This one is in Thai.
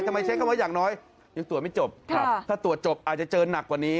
ใช้คำว่าอย่างน้อยยังตรวจไม่จบถ้าตรวจจบอาจจะเจอหนักกว่านี้